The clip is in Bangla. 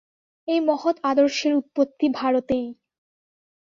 এই মহৎ আদর্শের উৎপত্তি ভারতেই।